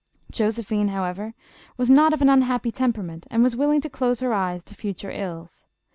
Josephine, however, was not of an unhappy tempera ment, and was willing to close her eyes to future ills.